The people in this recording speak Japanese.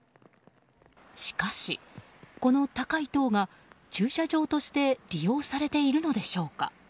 しかしこの高い塔が駐車場として利用されているのでしょうか。